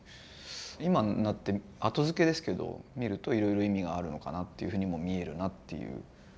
今になって後付けですけどみるといろいろ意味があるのかなっていうふうにも見えるなっていう。